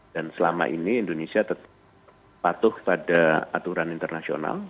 dan selama ini indonesia patuh pada aturan internasional